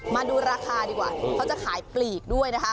มาดูราคาดีกว่าเขาจะขายปลีกด้วยนะคะ